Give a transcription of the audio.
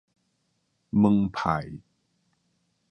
門派